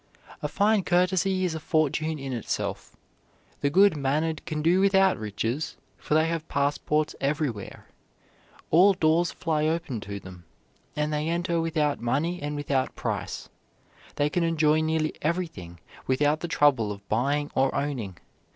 A fine courtesy is a fortune in itself. The good mannered can do without riches, for they have passports everywhere. All doors fly open to them, and they enter without money and without price. They can enjoy nearly everything without the trouble of buying or owning.